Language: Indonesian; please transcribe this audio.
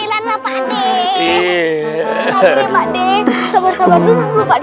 sabarnya pak d sabar sabar dulu pak d